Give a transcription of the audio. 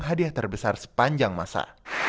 hadiah terbesar sepanjang masa